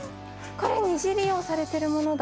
これ二次利用されてるものだ！